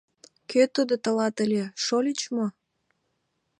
— Кӧ тудо тылат ыле — шольыч мо?